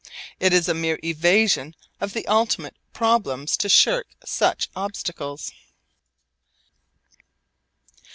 It is a mere evasion of the ultimate problems to shirk such obstacles.